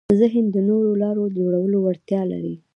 ذهن د نوو لارو جوړولو وړتیا لري.